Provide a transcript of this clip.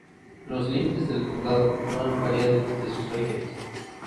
Los límites del condado no han variado desde sus orígenes.